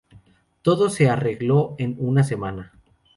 Todo se arregló en una semana.